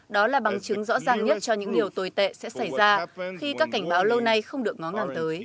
đó là bằng chứng rõ ràng nhất cho những điều tồi tệ sẽ xảy ra khi các cảnh báo lâu nay không được ngó ngang tới